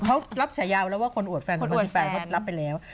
เขารับฉายาไว้แล้วว่าคนอวดแฟนเขาอ้วนแฟนเขารับไปแล้ว